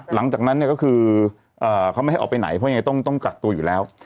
หลังจากนั้นเนี่ยก็คือเขาไม่ให้ออกไปไหนเพราะยังไงต้องกักตัวอยู่แล้ว